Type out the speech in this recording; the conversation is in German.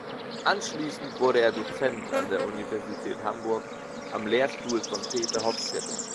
Anschließend wurde er Dozent an der Universität Hamburg am Lehrstuhl von Peter Hofstätter.